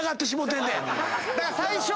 だから最初。